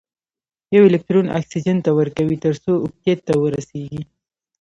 یو الکترون اکسیجن ته ورکوي تر څو اوکتیت ته ورسیږي.